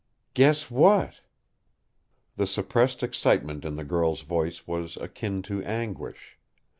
"Guess what?" The suppressed excitement in the girl's voice was akin to anguish.